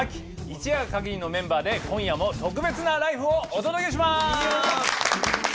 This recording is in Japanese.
一夜限りのメンバーで今夜も特別な「ＬＩＦＥ！」をお届けします！